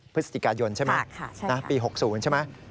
พฤศจิกายนปี๖๐ใช่ไหม